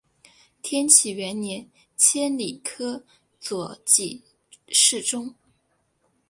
天启元年迁礼科左给事中。